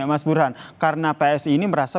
mas burhan karena psi ini merasa